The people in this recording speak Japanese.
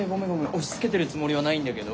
押しつけてるつもりはないんだけど。